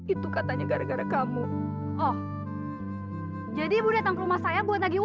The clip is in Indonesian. eh kok pada nggak jadi masuk sih